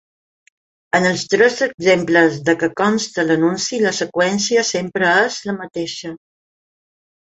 En els tres exemples de què consta l'anunci la seqüència sempre és la mateixa.